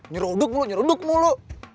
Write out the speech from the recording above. nyeruduk mulu nyeruduk mulu